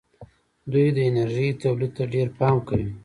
دوی د انرژۍ تولید ته ډېر پام کوي.